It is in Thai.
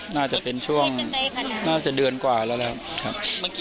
น่าจะเป็นช่วงน่าจะเดือนกว่าแล้วครับ